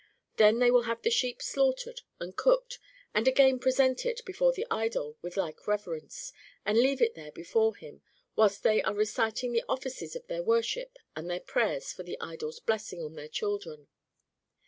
Then they will have the sheep slaughtered and cooked, and again present it before the idol with like reverence, and leave it there before him, whilst they are reciting the offices of their worship and their prayers for the idol's blessing on their children.